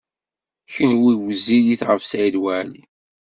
Kenwi wezzilit ɣef Saɛid Waɛli.